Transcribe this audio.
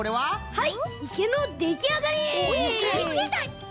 はい。